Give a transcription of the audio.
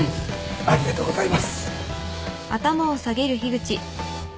ありがとうございます！